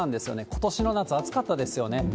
ことしの夏、暑かったですよね。